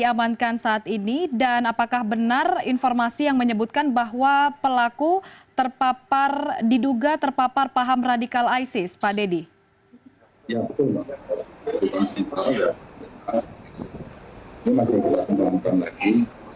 halo pak dedy lalu bagaimana penyelidikan terhadap kedua pelaku sejauh ini